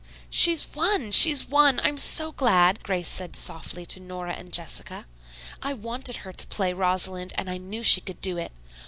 "She's won! She's won! I'm so glad," Grace said softly to Nora and Jessica. "I wanted her to play Rosalind, and I knew she could do it.